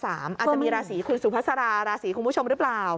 อาจจะมีราศีคุณสุภาษาราราศีคุณผู้ชมหรือเปล่า